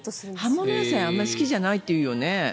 葉物野菜はあまり好きじゃないっていうよね。